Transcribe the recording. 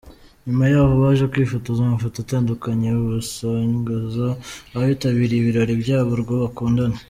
Nyuma yaho baje kwifotoza amafoto atandukanye basangiza abitabiriye ibirori byabo urwo bakundana.